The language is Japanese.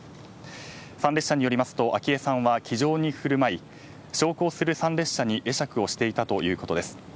参列者によりますと昭恵さんは気丈に振る舞い焼香する参列者に会釈をしていたということです。